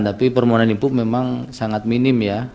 tapi permohonan ibu memang sangat minim ya